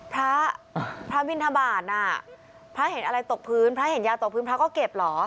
พระพระบินทบาทน่ะพระเห็นอะไรตกพื้นพระเห็นยาตกพื้นพระก็เก็บเหรอ